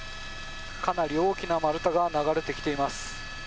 かなり大きな丸太が流れてきています。